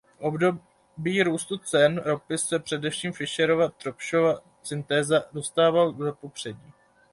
V období růstu cen ropy se především Fischerova–Tropschova syntéza dostával do popředí.